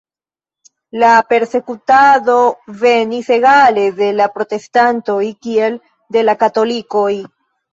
La persekutado venis egale de la protestantoj, kiel de la katolikoj.